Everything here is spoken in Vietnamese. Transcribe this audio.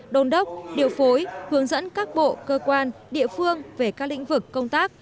đôn đốc điều phối hướng dẫn các bộ cơ quan địa phương về các lĩnh vực công tác